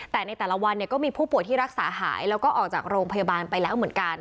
แต่ในแต่ละวันเนี่ยก็มีผู้ป่วยที่รักษาหายแล้วก็ออกจากโรงพยาบาลไปแล้วเหมือนกัน